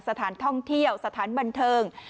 สถานท่องเที่ยวสถานบันเทิง